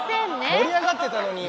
盛り上がってたのに今。